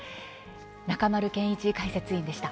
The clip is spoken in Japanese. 中丸憲一解説委員でした。